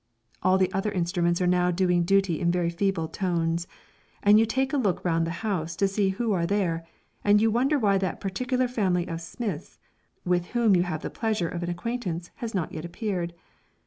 All the other instruments are now doing duty in very feeble tones, and you take a look round the house to see who are there; and you wonder why that particular family of Smiths, with whom you have the pleasure of an acquaintance has not yet appeared.